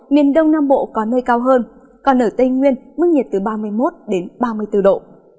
miền đông nam bộ có nơi cao hơn còn ở tây nguyên mức nhiệt từ ba mươi một đến ba mươi bốn độ